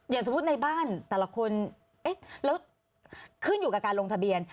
สมมุติในบ้านแต่ละคนเอ๊ะแล้วขึ้นอยู่กับการลงทะเบียน